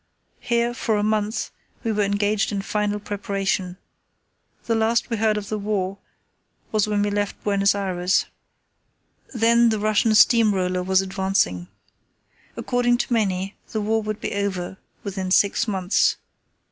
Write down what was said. Here, for a month, we were engaged in final preparation. The last we heard of the war was when we left Buenos Ayres. Then the Russian Steam Roller was advancing. According to many the war would be over within six months.